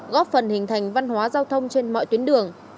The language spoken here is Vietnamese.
góp phần hình thành văn hóa giao thông trên mọi tuyến đường